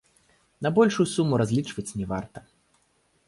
На большую суму разлічваць не варта.